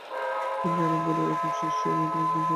তিনি নারায়ণ গুরুর একশ শিষ্যের অন্যতম একজন।